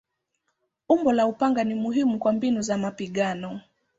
Umbo la upanga ni muhimu kwa mbinu za mapigano.